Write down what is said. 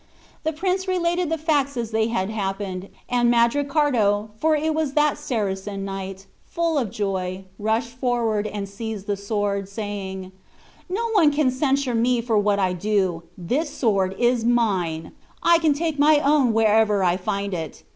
The prince related the facts as they had happened; and Mandricardo, for it was that Saracen knight, full of joy, rushed forward, and seized the sword, saying, "No one can censure me for what I do; this sword is mine; I can take my own wherever I find it.